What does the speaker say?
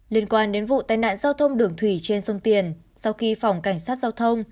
liên quan đến vụ tai nạn giao thông đường thủy trên sông tiền sau khi phòng cảnh sát giao thông